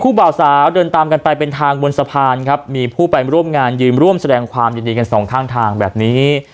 บ่าวสาวเดินตามกันไปเป็นทางบนสะพานครับมีผู้ไปร่วมงานยืมร่วมแสดงความยินดีกันสองข้างทางแบบนี้